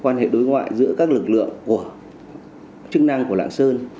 quan hệ đối ngoại giữa các lực lượng của chức năng của lạng sơn